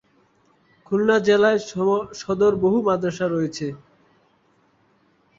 খুলনা জেলার সদর বহু মাদ্রাসা রয়েছে।